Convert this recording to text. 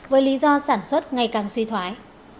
với lý do sản xuất ngày càng suy thoái